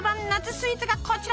スイーツがこちら。